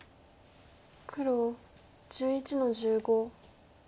黒１１の十五。